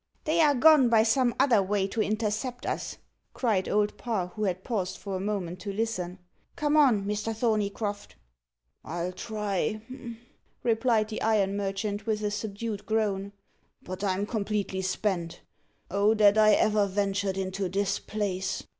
"They are gone by some other way to intercept us," cried Old Parr, who had paused for a moment to listen; "come on, Mr. Thorneycroft." "I'll try," replied the iron merchant, with a subdued groan, "but I'm completely spent. Oh that I ever ventured into this place!"